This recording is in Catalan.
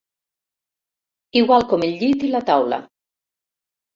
Igual com el llit i la taula.